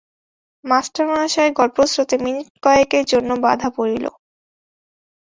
মাস্টারমহাশয়ের গল্পস্রোতে মিনিটকয়েকের জন্য বাধা পড়িল।